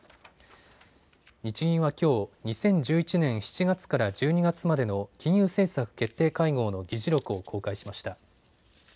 日銀はきょう、２０１１年７月から１２月までの金融政策決定会合の議事録を公開しました。